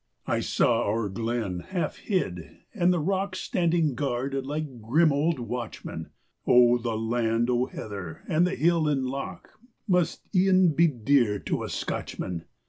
I saw our glen, half hid, and the rocks Standing guard like grim old watchmen. Oh, the land o' heather and hill and loch Must e'en be dear to a Scotchman.